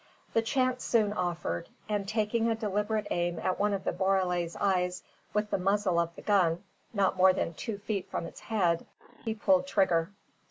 The chance soon offered; and, taking a deliberate aim at one of the borele's eyes with the muzzle of the gun not more than two feet from its head, he pulled trigger.